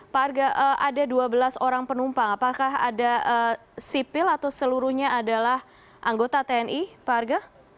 pak arga ada dua belas orang penumpang apakah ada sipil atau seluruhnya adalah anggota tni pak arga